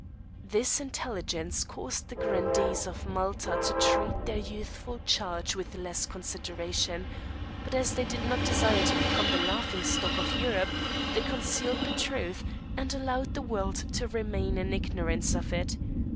This intelligence caused the grandees of Malta to treat their youthful charge with less consideration; but as they did not desire to become the laughing stock of Europe, they concealed the truth, and allowed the world to remain in ignorance of it.